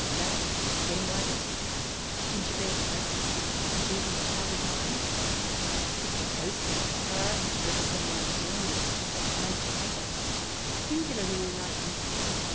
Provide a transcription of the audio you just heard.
Rat penwipers, gingerbread rats with beady currant eyes, picture postcards representing the scene, with a Pied Piper singularly like Mr. F. R.